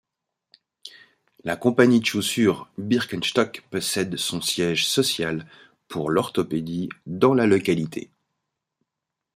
La compagnie de chaussure Birkenstock possède son siège social pour l'orthopédie dans la localité.